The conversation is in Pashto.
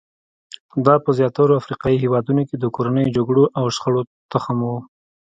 دا په زیاترو افریقایي هېوادونو کې د کورنیو جګړو او شخړو تخم وو.